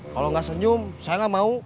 kalau gak senyum saya gak mau